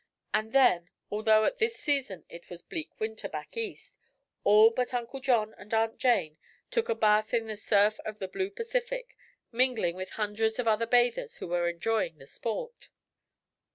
And then, although at this season it was bleak winter back East, all but Uncle John and Aunt Jane took a bath in the surf of the blue Pacific, mingling with hundreds of other bathers who were enjoying the sport.